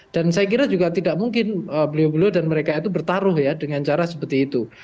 dan saya kira juga tidak mungkin beliau beliau dan mereka itu bertaruh ya dengan cara seperti itu